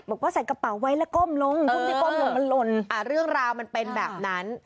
บอกว่าใส่กระเป๋าไว้แล้วก้มลงช่วงที่ก้มลงมันหล่นเรื่องราวมันเป็นแบบนั้น